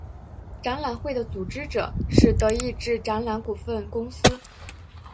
展览会的组织者是德意志展览股份公司。